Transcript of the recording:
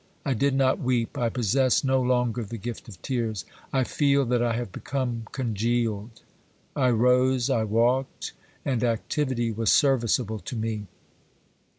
... I did not weep; I possess no longer the gift of tears. I feel that I have become congealed. I rose, I walked, and activity was serviceable to me.